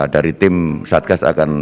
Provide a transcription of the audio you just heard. dari tim satgas akan